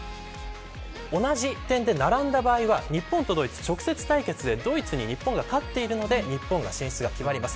同じ点で並んだ場合は日本とドイツは直接対決でドイツに日本が勝っているので日本の進出が決まります。